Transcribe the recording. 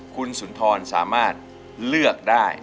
คุณสุนทรสามารถเลือกได้